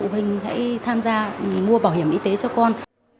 mình hãy tham gia mua bảo hiểm y tế cho con